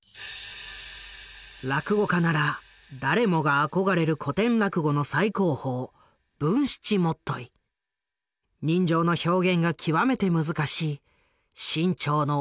落語家なら誰もが憧れる古典落語の最高峰人情の表現が極めて難しい志ん朝の十八番だった。